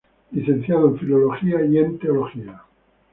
Licenciado en Filosofía y en Teología.